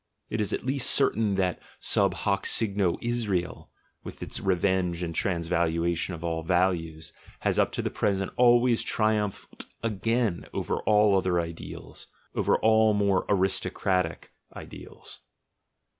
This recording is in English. It is at least certain that mb hoc signo Israel, with its revenge 1 6 THE GENEALOGY OF MORALS and transvaluation of all values, has up to the present always triumphed again over all other ideals, over all more aristocratic ideals.